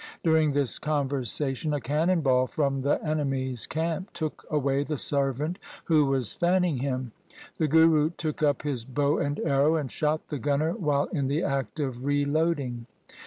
During this conversation a cannon ball from the enemy's camp took away the servant who was fanning him. The Guru took up his bow and arrow and shot the gunner while in the act of reloading.